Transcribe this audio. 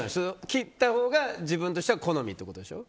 切ったほうが自分としては好みってことでしょ？